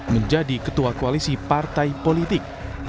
menjadi ketua koalisi partai politik